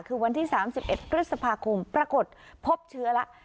คือวันที่๓๑พฤษภาคมปรากฏพบเชื้อแล้ว